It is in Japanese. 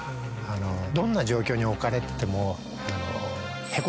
どんな状況に置かれてても。